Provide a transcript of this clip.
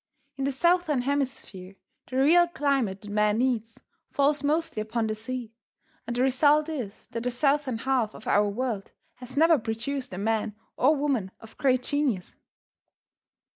In the Southern Hemisphere the real climate that man needs falls mostly upon the sea, and the result is, that the southern half of our world has never produced a man or woman of great genius.